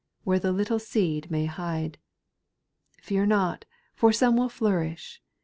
Where the little seed may hide. Fear not, for some will flourish.